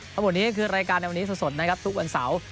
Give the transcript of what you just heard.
เท่านี้คือรายการสดนะครับทุกวันเสาร์